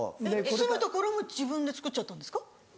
住む所も自分で造っちゃったんですか？